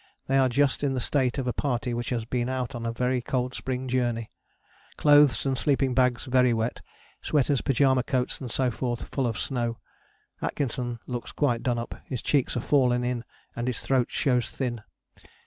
They are just in the state of a party which has been out on a very cold spring journey: clothes and sleeping bags very wet, sweaters, pyjama coats and so forth full of snow. Atkinson looks quite done up, his cheeks are fallen in and his throat shows thin.